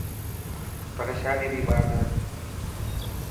پريشاني ري بات هي.